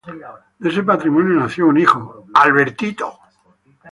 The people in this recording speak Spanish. De ese matrimonio nació un hijo, Alberto Jr.